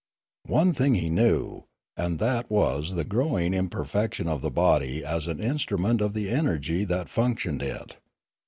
One thing he knew, and that was the growing imperfection of the body as an instrument of the energy that functioned it.